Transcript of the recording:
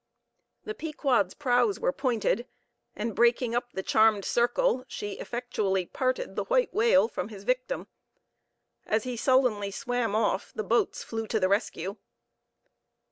The Pequod's prows were pointed; and breaking up the charmed circle, she effectually parted the white whale from his victim. As he sullenly swam off, the boats flew to the rescue.